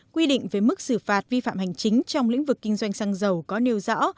quy định về mức xử phạt vi phạm hành chính trong lĩnh vực kinh doanh xăng dầu có nêu rõ